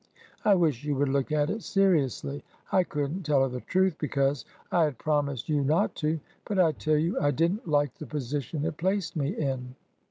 " I wish you would look at it seriously. I could n't tell her the truth, because I had promised you not to, but I tell you I did n't like the position it placed me in."